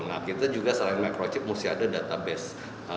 nah kita juga selain microchip mesti ada database